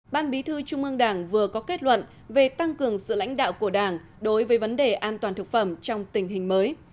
ban bí thư trung ương đảng vừa có kết luận về tăng cường sự lãnh đạo của đảng đối với vấn đề an toàn thực phẩm trong tình hình mới